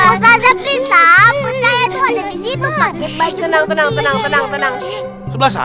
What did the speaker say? ustadz bisa percaya itu ada disitu